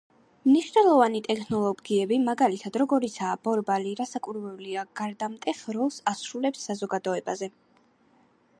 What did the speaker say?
მნიშვნელოვანი ტექნოლოგიები, მაგალითად, როგორიცაა ბორბალი, რასაკვირველია, გარდამტეხ როლს ასრულებს საზოგადოებაზე